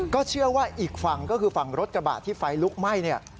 เชื่อว่าอีกฝั่งก็คือฝั่งรถกระบะที่ไฟลุกไหม้เนี่ย